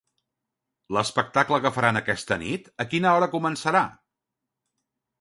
L'espectacle que faran aquesta nit, a quina hora començarà?